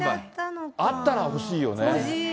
あったら欲しいよね。